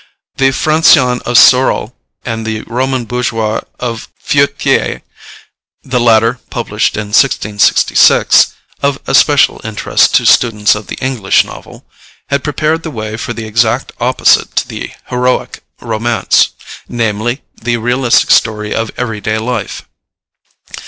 The Francion of Sorel and the Roman Bourgeois of Furetière the latter, published in 1666, of especial interest to students of the English novel had prepared the way for the exact opposite to the heroic romance; namely, the realistic story of every day life.